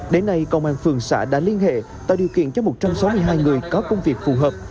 đến nay công an phường xã đã liên hệ tạo điều kiện cho một trăm sáu mươi hai người có công việc phù hợp